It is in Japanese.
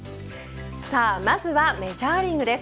さあ、まずはメジャーリーグです。